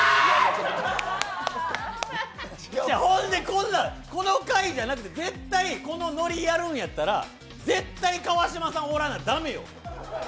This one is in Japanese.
ほんでこの回じゃなくて絶対このノリやるんやった絶対、川島さんおらな、駄目よ。